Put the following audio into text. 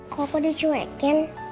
kau kok dicuekin